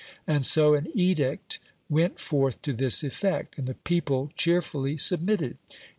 And so an edict went forth to this effect, and the people cheerfully submitted.